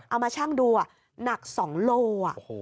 เอามาชั่งดูอ่ะหนัก๒โลอ่ะ